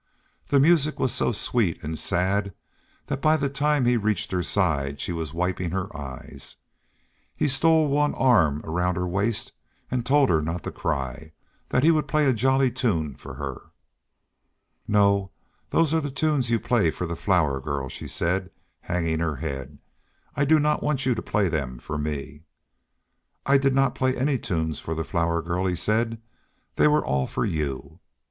The music was so sweet and sad that by the time he reached her side she was wiping her eyes. He stole one arm around her waist and told her not to cry, that he would play a jolly tune for her. "No, those are the tunes you play for the Flower Girl," she said, hanging her head. "I do not want you to play them for me." "I did not play any tunes for the Flower Girl," he said, "they were all for you."